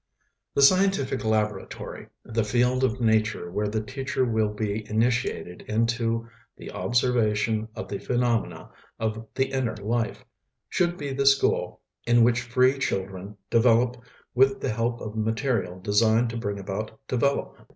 The scientific laboratory, the field of Nature where the teacher will be initiated into "the observation of the phenomena of the inner life" should be the school in which free children develop with the help of material designed to bring about development.